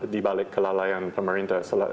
di balik kelalaian pemerintah